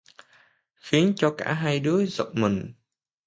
Khiến cho cả hai đứa giật mình